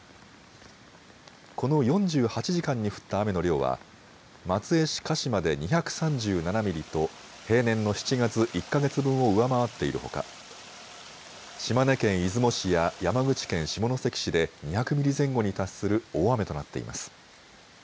この４８時間に降った雨の量は松江市鹿島で２３７ミリと平年の７月１か月分を上回っているほか島根県出雲市や山口県下関市で２００ミリ前後に達する大雨となっています。